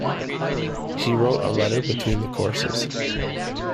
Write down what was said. He wrote a letter between the courses.